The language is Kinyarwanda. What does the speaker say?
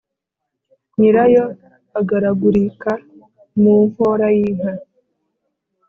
Nyirayo agaragurika mu nkora y’inka